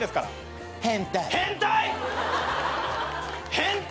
変態！？